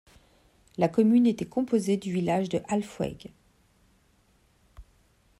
La commune était composée du village de Halfweg.